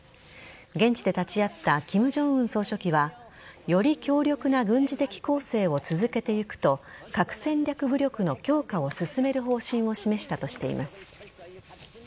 現地で立ち会った金正恩総書記はより強力な軍事的攻勢を続けていくと核戦略武力の強化を進める方針を示したとしています。